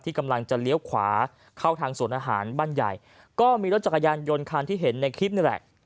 กำลังจะเลี้ยวขวาเข้าทางสวนอาหารบ้านใหญ่ก็มีรถจักรยานยนต์คันที่เห็นในคลิปนี่แหละ